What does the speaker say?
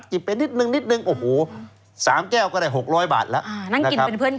กินไปนิดนึงโอ้โห๓แก้วก็ได้๖๐๐บาทแล้วนะครับ